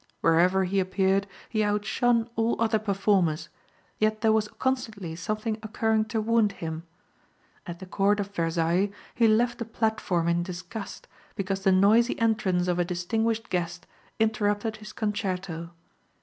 Wherever he appeared he outshone all other performers, yet there was constantly something occurring to wound him. At the Court of Versailles he left the platform in disgust because the noisy entrance of a distinguished guest interrupted his concerto.